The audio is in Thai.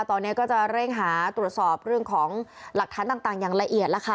ตอนนี้ก็จะเร่งหาตรวจสอบเรื่องของหลักฐานต่างอย่างละเอียดแล้วค่ะ